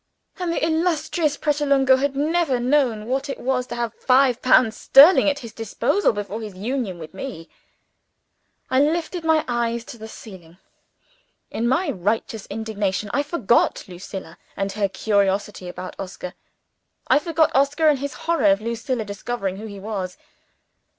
And the illustrious Pratolungo had never known what it was to have five pounds sterling at his disposal before his union with Me! I lifted my eyes to the ceiling. In my righteous indignation, I forgot Lucilla and her curiosity about Oscar I forgot Oscar and his horror of Lucilla discovering who he was.